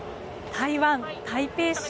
台湾・台北市。